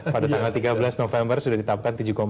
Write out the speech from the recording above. pada tanggal tiga belas november sudah ditapkan tujuh lima